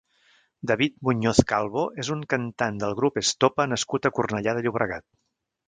David Muñoz Calvo és un cantant del grup Estopa nascut a Cornellà de Llobregat.